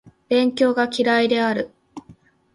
勉強が嫌いである